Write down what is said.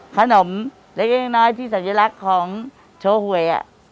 ขนมเล็กน้อยที่สัญลักษณ์ของโชว์หวย